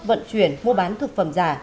vận chuyển mua bán thực phẩm giả